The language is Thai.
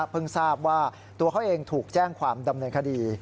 ทราบว่าตัวเขาเองถูกแจ้งความดำเนินคดี